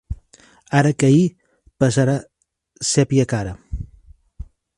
Ara Caí, pesarà sèpia cara.